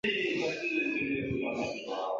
早年肄业于绥德省立第四师范学校肄业。